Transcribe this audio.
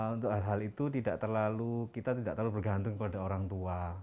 untuk hal hal itu tidak terlalu kita tidak terlalu bergantung kepada orang tua